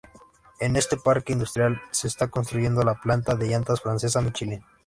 En este parque industrial, se está construyendo la planta de llantas francesa Michelin.